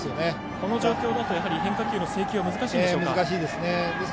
この状況だと、変化球の制球は難しいんでしょうか。